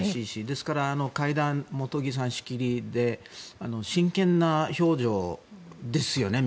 ですから、会談も茂木さんが仕切って真剣な表情ですよね